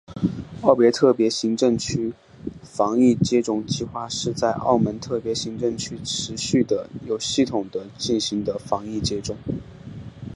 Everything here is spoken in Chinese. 澳门特别行政区防疫接种计划是在澳门特别行政区持续地有系统地进行的防疫接种。